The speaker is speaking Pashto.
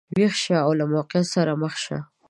ویښه شي او له واقعیت سره مخ شي.